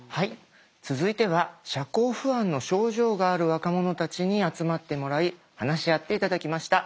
続いては社交不安の症状がある若者たちに集まってもらい話し合って頂きました。